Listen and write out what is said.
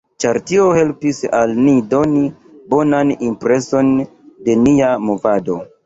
Ĉar tio helpis al ni doni bonan impreson de nia movado.